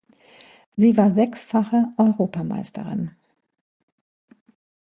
Sie war sechsfache Europameisterin.